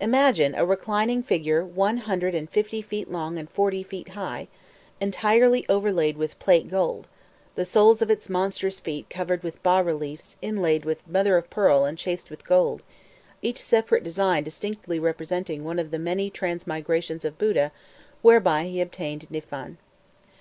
Imagine a reclining figure one hundred and fifty feet long and forty feet high, entirely overlaid with plate gold; the soles of its monstrous feet covered with bass reliefs inlaid with mother of pearl and chased with gold; each separate design distinctly representing one of the many transmigrations of Buddha whereby he obtained Niphan.